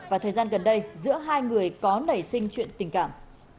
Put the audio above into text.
và thời gian gần đây giữa hai người có nảy sinh chuyện tình cảm